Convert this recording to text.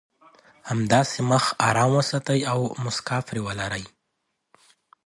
همداسې مخ ارام وساتئ او مسکا پرې ولرئ.